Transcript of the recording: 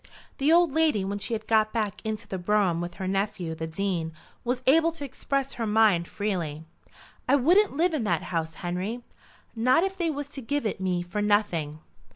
The old lady when she had got back into the brougham with her nephew, the Dean, was able to express her mind freely. "I wouldn't live in that house, Henry, not if they was to give it me for nothing."